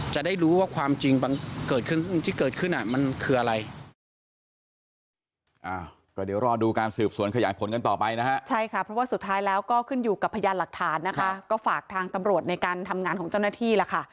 จะได้รู้ว่าความจริงที่เกิดขึ้นมันคืออะไร